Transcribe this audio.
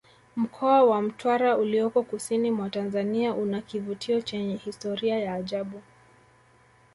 mkoa wa mtwara ulioko kusini mwa tanzania una kivutio chenye historia ya ajabu